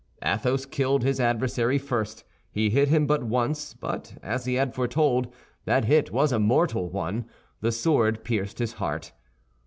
Athos killed his adversary first. He hit him but once, but as he had foretold, that hit was a mortal one; the sword pierced his heart.